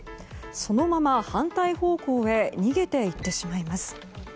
そのまま反対方向へ逃げていってしまいます。